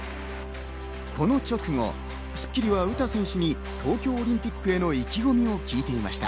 この直後、『スッキリ』は詩選手に東京オリンピックへの意気込みを聞いていました。